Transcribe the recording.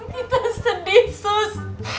kita sedih sus